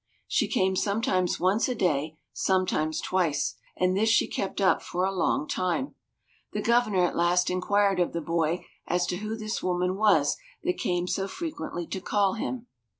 She came sometimes once a day, sometimes twice, and this she kept up for a long time. The Governor at last inquired of the boy as to who this woman was that came so frequently to call him.